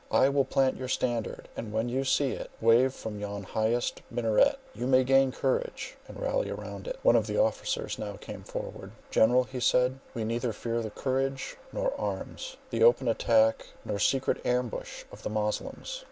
I will plant your standard; and when you see it wave from yon highest minaret, you may gain courage, and rally round it!" One of the officers now came forward: "General," he said, "we neither fear the courage, nor arms, the open attack, nor secret ambush of the Moslems.